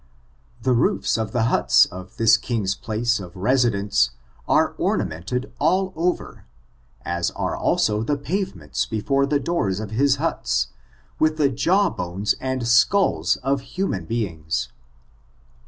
The roofs of the huts of this king's place of residence are orna mented all over, as are also the pavements before the doors of his huts, with the jaw bones and sculls of human beings.